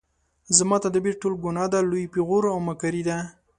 زما تدبیر ټوله ګناه ده لوی پیغور او مکاري ده